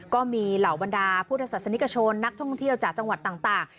ก็มีเหล่าบรรดาพุทธศาสนิกชนนักท่องเที่ยวจากจังหวัดต่าง